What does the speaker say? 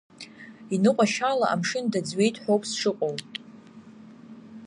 Иныҟәашьала амшын даӡҩеит ҳәоуп сшыҟоу!